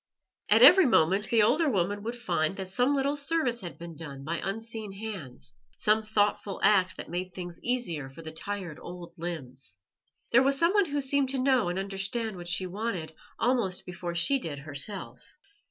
At every moment the older woman would find that some little service had been done by unseen hands, some little thoughtful act that made things easier for the tired old limbs. There was someone who seemed to know and understand what she wanted almost before she did herself.